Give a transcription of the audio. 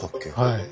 はい。